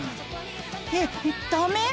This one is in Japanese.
えっダメ？